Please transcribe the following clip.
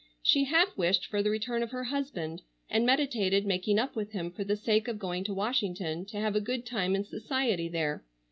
She half wished for the return of her husband, and meditated making up with him for the sake of going to Washington to have a good time in society there.